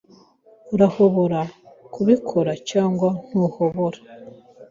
Urahobora kubikora cyangwa ntuhobora